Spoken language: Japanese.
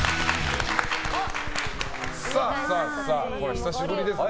久しぶりですね。